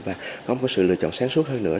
và không có sự lựa chọn sáng suốt hơn nữa